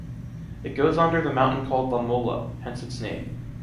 It goes under the mountain called La Mola, hence its name.